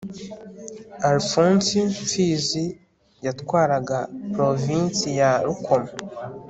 Alfonsi Mfizi yatwaraga Provinsi ya Rukoma